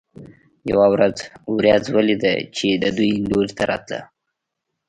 یوه ورځ ورېځ ولیده چې د دوی لوري ته راتله.